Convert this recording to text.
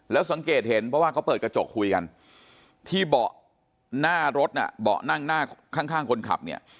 แล้วสังเกตเห็นเพราะว่าเขาเปิดกระจกคุยกันที่เบาะหน้ารถน่ะเบาะนั่งหน้าข้างคนขับเนี่ย